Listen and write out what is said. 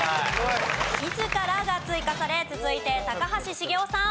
「みずから」が追加され続いて高橋茂雄さん。